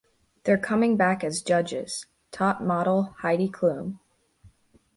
They're coming back as judges, top model Heidi Klum.